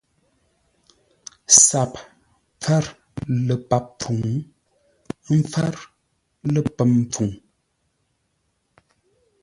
SAP pfár ləpap pfuŋ, ə́ pfár ləpəm pfuŋ.